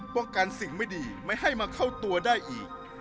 ป้องกันสิ่งไม่ดีไม่ให้มาเข้าตัวได้อีก